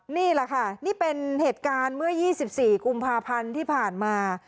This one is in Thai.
นี่แหละค่ะนี่เป็นเหตุการณ์เมื่อ๒๔กุมภาพันธ์ที่ผ่านมา